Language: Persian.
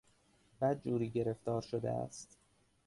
بد جوری گرفتار شده است.